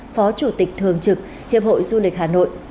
phó chủ tịch thường trực hiệp hội du lịch hà nội